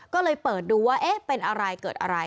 ก็เลยเปิดดูว่าเอ๊ะเป็นอะไรเกิดอะไร